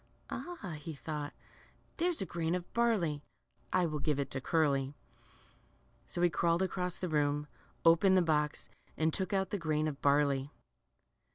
Ah,'' he thought, there's a grain of barley ; I will give it to Curly." So he crawled across the room, opened the box, and took out the grain of barley.